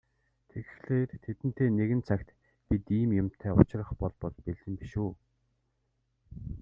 Тэгэхлээр тэдэнтэй нэгэн цагт бид ийм юмтай учрах болбол бэлэн биш үү?